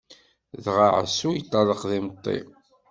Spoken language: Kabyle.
Dɣa Ɛisu yeṭṭerḍeq d imeṭṭi.